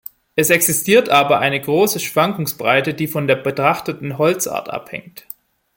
Es existiert aber eine große Schwankungsbreite, die von der betrachteten Holzart abhängt.